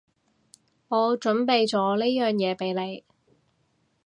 我準備咗呢樣嘢畀你